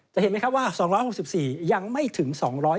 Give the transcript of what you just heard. เห็นไหมครับว่า๒๖๔ยังไม่ถึง๒๕